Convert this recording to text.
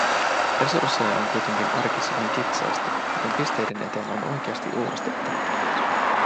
Resursseja on kuitenkin arkissa vain kitsaasti, joten pisteiden eteen on oikeasti uurastettava.